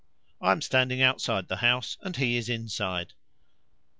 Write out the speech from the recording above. I am standing outside the house, and he is inside.